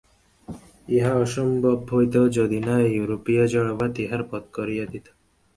ইহা অসম্ভব হইত, যদি না ইউরোপীয় জড়বাদ ইহার পথ করিয়া দিত।